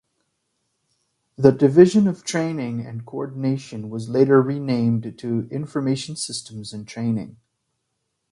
The division of Training and Coordination was later renamed to Information Systems and Training.